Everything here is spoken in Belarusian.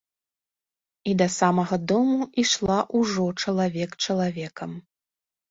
І да самага дому ішла ўжо чалавек чалавекам.